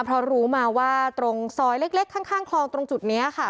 เพราะรู้มาว่าตรงซอยเล็กข้างคลองตรงจุดนี้ค่ะ